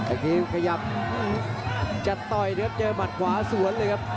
แอคกีฟขยับจะต่อยนะครับเจอบัตรขวาสวนเลยครับ